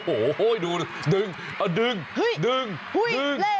โอ้โหดูดึงเอาดึงดึง